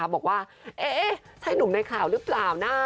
บอกว่าเอ๊ะใช่หนุ่มในข่าวหรือเปล่านะ